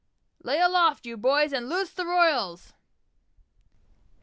"Lay aloft, you boys, and loose the royals!"